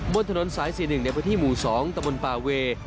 บนถนนสาย๔๑ในพื้นที่หมู่๒ตะบนป่าเวย์